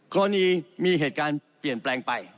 กรณีมีเหตุการณ์เปลี่ยนแปลงไป